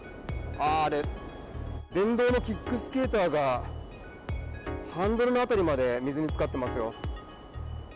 電動のキックスケーターがハンドルの辺りまで、水につかってますよ。